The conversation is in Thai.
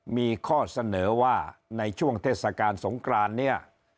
มีข้อเสนอว่าในช่วงเทศกาลสงกรานเนี่ย